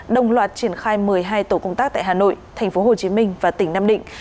đồng loạt triển khai một mươi hai tổ công tác tại hà nội thành phố hồ chí minh và tỉnh nam định